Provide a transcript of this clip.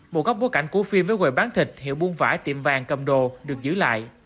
một góc bối cảnh của phim với quầy bán thịt hiệu buôn vải tiệm vàng cầm đồ được giữ lại